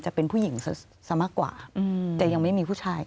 จะเป็นผู้หญิงซะมากกว่าแต่ยังไม่มีผู้ชาย